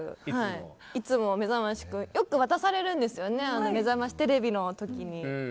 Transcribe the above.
めざましくんよく渡されるんですよね「めざましテレビ」の時に。